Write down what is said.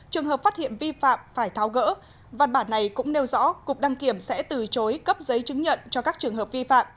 trường hợp phát hiện vi phạm phải tháo gỡ văn bản này cũng nêu rõ cục đăng kiểm sẽ từ chối cấp giấy chứng nhận cho các trường hợp vi phạm